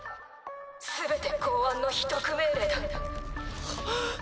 全て公安の秘匿命令だ。